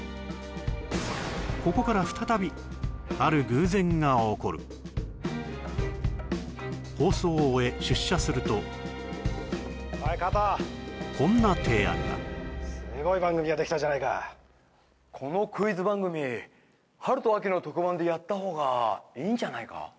ここから再びある偶然が起こる放送を終え出社するとおい加藤こんな提案がすごい番組ができたじゃないかこのクイズ番組春と秋の特番でやった方がいいんじゃないか？